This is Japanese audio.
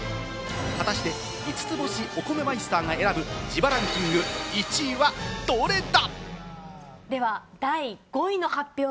果たして五つ星お米マイスターが選ぶ自腹ンキング１位はどれだ？